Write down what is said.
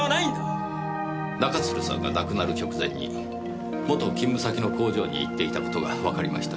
中津留さんが亡くなる直前に元勤務先の工場に行っていた事がわかりました。